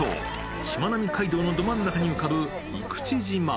しまなみ海道のど真ん中に浮かぶ生口島。